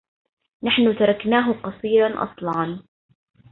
نحن تركناه قصيرا أصلعا